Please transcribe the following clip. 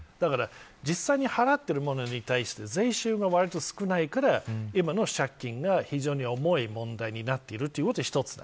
実際に払ってるものに対して税収がわりと少ないから今の借金が非常に重い問題になっているということが一つ。